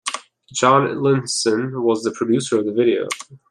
John Linson was the producer of the video.